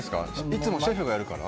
いつもシェフがやるから。